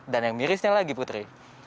dan yang mirisnya lagi putri